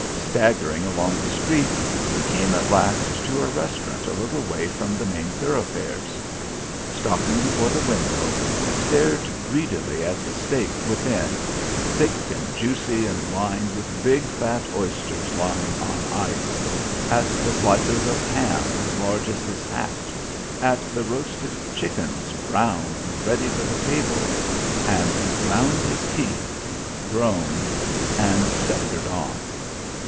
Staggering along the streets, he came at last to a restaurant a little way from the main thoroughfares. Stopping before the window, he stared greedily at the steaks within, thick and juicy and lined with big, fat oysters lying on ice; at the slices of ham as large as his hat; at the roasted chickens, brown and ready for the table; and he ground his teeth, groaned, and staggered on.